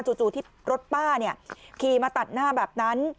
จู่ที่รถป้าขี่มาตัดหน้าแบบนั้น